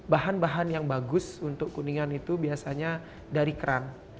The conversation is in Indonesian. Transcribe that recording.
bahan bahan yang bagus untuk kuningan itu biasanya dari kerang